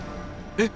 えっ？